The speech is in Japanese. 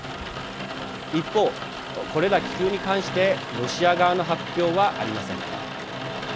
一方、これら気球に関してロシア側の発表はありません。